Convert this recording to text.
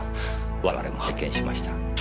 我々も拝見しました。